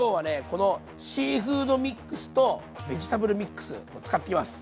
このシーフードミックスとベジタブルミックスを使っていきます。